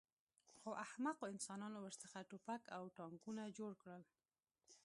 خو احمقو انسانانو ورڅخه ټوپک او ټانکونه جوړ کړل